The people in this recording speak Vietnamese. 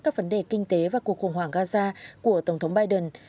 các vấn đề kinh tế và cuộc khủng hoảng gaza của tổng thống biden